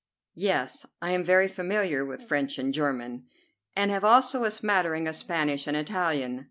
"Yes, I am very familiar with French and German, and have also a smattering of Spanish and Italian.